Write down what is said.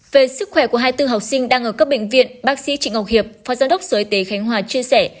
về sức khỏe của hai mươi bốn học sinh đang ở các bệnh viện bác sĩ trịnh ngọc hiệp phó giám đốc sở y tế khánh hòa chia sẻ